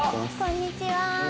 こんにちは！